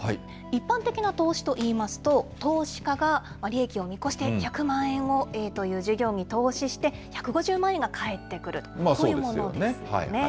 一般的な投資といいますと、投資家が利益を見越して、１００万円をＡという事業に投資をして、１５０万円が返ってくる、そういうものですよね。